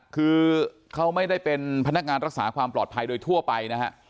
คือเขาไม่ได้เป็นพนักงานรักษาความปลอดภัยโดยทั่วไปนะฮะ